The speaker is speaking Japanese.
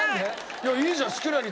いやいいじゃん。